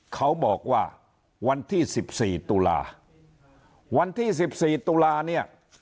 เขาบอกว่าวันที่สิบสี่ตุลาห์วันที่สิบสี่ตุลาห์เนี่ย